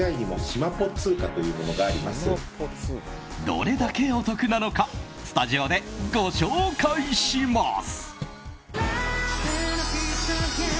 どれだけお得なのかスタジオでご紹介します。